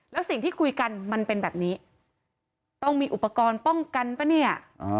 แล้วสิ่งที่คุยกันมันเป็นแบบนี้ต้องมีอุปกรณ์ป้องกันป่ะเนี่ย